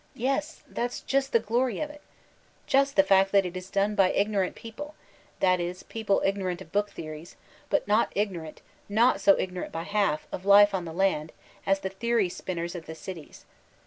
Yes : that's just the glory of it I Just the fact that it b done by ig norant people ; that is, people ignorant of book theories ; but not ignorant, not so ignorant by half, of life on the land, as the theory spinners of the cities.